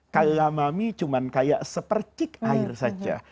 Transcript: kaya lamami cuma kayak sepercik air saja